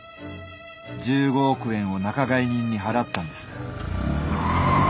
１５億円を仲買人に払ったんです。